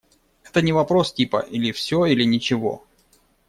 Это не вопрос типа "или все, или ничего".